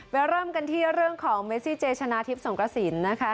ไปเริ่มกันที่เรื่องของเมซิเจชนะทริปสงกสินนะคะ